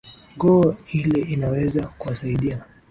go ile inaweza kuwasaidia